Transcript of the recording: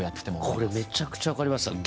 これめちゃくちゃ分かりますわ。